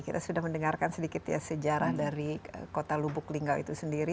kita sudah mendengarkan sedikit ya sejarah dari kota lubuk linggau itu sendiri